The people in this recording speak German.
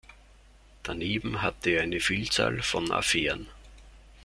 Daneben hatte er eine Vielzahl von Affären.